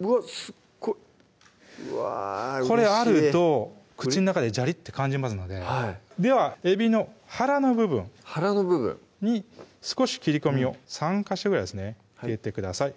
うれしいこれあると口の中でジャリッて感じますのではいではえびの腹の部分腹の部分に少し切り込みを３ヵ所ぐらいですね入れてください